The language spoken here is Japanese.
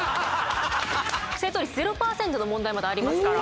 正答率０パーセントの問題までありますから。